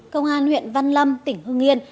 công an huyện văn lâm tỉnh hương yên